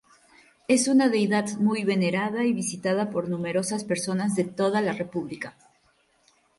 Es una deidad muy venerada y visitada por numerosas personas de toda la República.